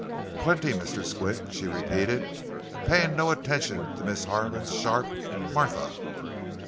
"Plenty, Mr. Squint," she repeated, paying no attention to Miss Harlan's sharp, "Martha!"